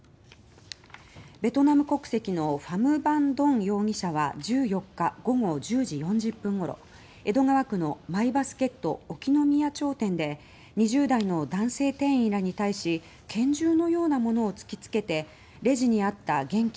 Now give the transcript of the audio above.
ベトナム国籍のファム・バン・ドン容疑者は１４日午後１０時４０分ごろ江戸川区のまいばすけっと興宮町店で２０代の男性店員らに対し拳銃のようなものを突きつけてレジにあった現金